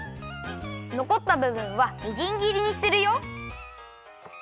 のこったぶぶんはみじんぎりにするよ。